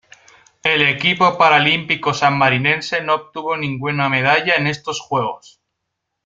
El equipo paralímpico sanmarinense no obtuvo ninguna medalla en estos Juegos.